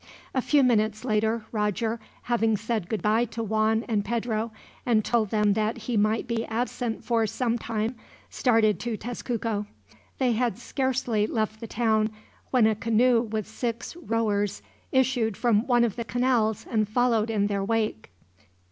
A few minutes later, Roger, having said goodbye to Juan and Pedro, and told them that he might be absent for some time, started to Tezcuco. They had scarcely left the town, when a canoe with six rowers issued from one of the canals and followed in their wake.